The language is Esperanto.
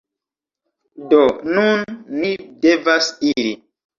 Do, nun ni devas iri